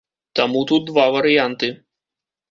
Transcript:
Таму тут два варыянты.